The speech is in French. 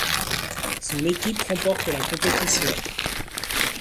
Son équipe remporte la compétition.